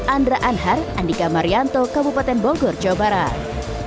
andra anhar andika marianto kabupaten bogor jawa barat